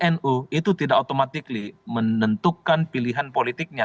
oleh karena itu pemilih nu itu tidak otomatis menentukan pilihan politiknya